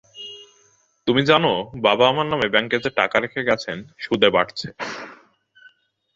তুমি জানো, বাবা আমার নামে ব্যাঙ্কে যে টাকা রেখে গেছেন, সুদে বাড়ছে।